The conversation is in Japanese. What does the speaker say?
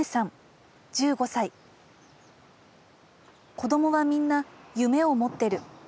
「『子どもはみんな夢を持ってる。